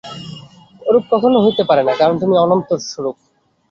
ওরূপ কখনও হইতে পারে না, কারণ তুমি অনন্তস্বরূপ।